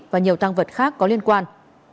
và nhiều tăng vật khác có liên quan